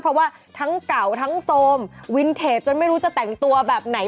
เพราะว่าทั้งเก่าทั้งโซมวินเทจจนไม่รู้จะแต่งตัวแบบไหน